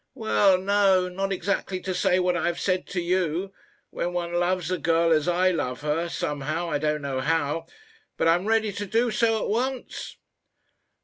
"Well, no; not exactly to say what I have said to you. When one loves a girl as I love her, somehow I don't know how But I am ready to do so at once.